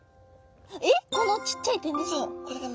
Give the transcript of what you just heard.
えっこのちっちゃい点ですか？